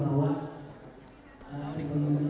jadi apa yang penting